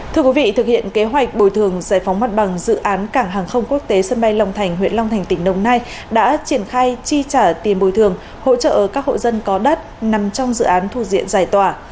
thưa quý vị thực hiện kế hoạch bồi thường giải phóng mặt bằng dự án cảng hàng không quốc tế sân bay long thành huyện long thành tỉnh đồng nai đã triển khai chi trả tiền bồi thường hỗ trợ các hộ dân có đất nằm trong dự án thu diện giải tỏa